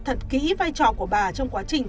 thật kỹ vai trò của bà trong quá trình